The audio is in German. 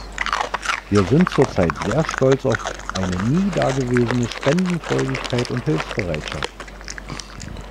Wir sind zur Zeit sehr stolz auf eine nie da gewesene Spendenfreudigkeit und Hilfsbereitschaft.